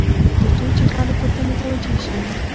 تر څو چې خلک ورته متوجع شي.